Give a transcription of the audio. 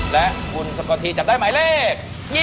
และคุณสกลทีจับได้หมายเลข๒๒